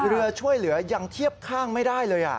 เรือช่วยเหลือยังเทียบข้างไม่ได้เลย